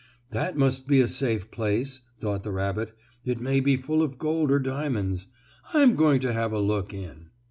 "That must be a safe place," thought the rabbit. "It may be full of gold or diamonds. I'm going to have a look in."